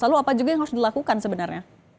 lalu apa juga yang harus dilakukan sebenarnya